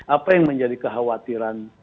apa yang menjadi kekhawatiran